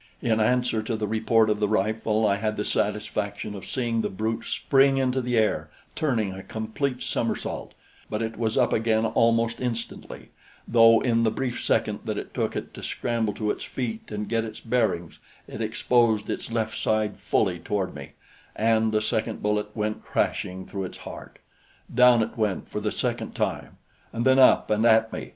In answer to the report of the rifle I had the satisfaction of seeing the brute spring into the air, turning a complete somersault; but it was up again almost instantly, though in the brief second that it took it to scramble to its feet and get its bearings, it exposed its left side fully toward me, and a second bullet went crashing through its heart. Down it went for the second time and then up and at me.